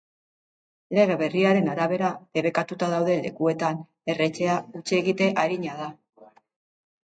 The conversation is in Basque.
Lege berriaren arabera, debekatuta dauden lekuetan erretzea hutsegite arina da.